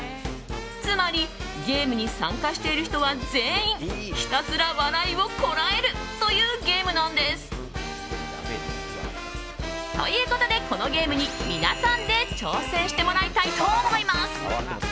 つまりゲームに参加している人は全員ひたすら笑いをこらえるというゲームなんです。ということでこのゲームに皆さんで挑戦してもらいたいと思います。